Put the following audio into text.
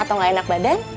atau gak enak badan